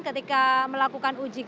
ketika melakukan ujian